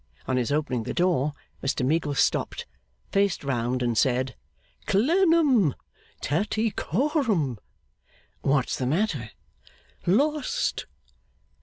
On his opening the door, Mr Meagles stopped, faced round, and said: 'Clennam! Tattycoram!' 'What's the matter?' 'Lost!